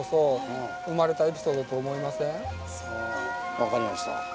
分かりました。